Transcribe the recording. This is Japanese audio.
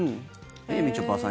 みちょぱさん